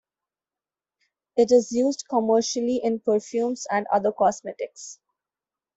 It is used commercially in perfumes and other cosmetics.